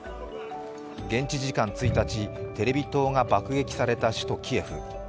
現地１日、テレビ塔が爆撃された首都キエフ。